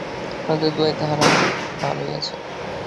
আপনাদের দোয়ায় তাহারা ভালোই আছে।